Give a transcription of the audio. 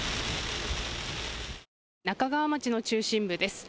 那珂川町の中心部です。